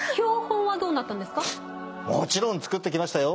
もちろん作ってきましたよ！